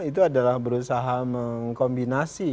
itu adalah berusaha mengkombinasi